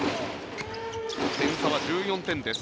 点差は１４点です。